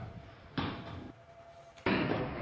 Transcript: มต้นหนาเอาไปดูคลิปก่อนครับ